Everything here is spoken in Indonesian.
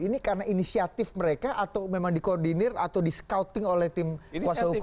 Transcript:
ini karena inisiatif mereka atau memang dikoordinir atau di scouting oleh tim kuasa hukum